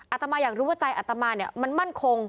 อาตมาอยากรู้ว่าใจอัตมาเนี่ยมันมั่นคง